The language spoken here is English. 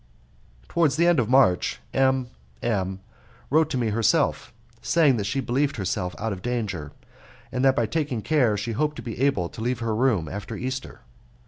Towards the end of March M M wrote to me herself, saying that she believed herself out of danger, and that by taking care she hoped to be able to leave her room after Easter.